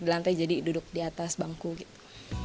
di lantai jadi duduk di atas bangku gitu